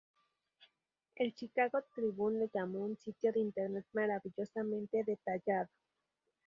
El "Chicago Tribune" lo llamó "un sitio de Internet maravillosamente detallado.